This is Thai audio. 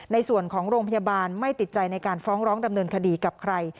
ในส่วนของโรงพยาบาลไม่ติดใจในการฟ้องร้องดำเนินคดีกับใคร